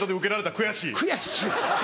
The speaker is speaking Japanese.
悔しい！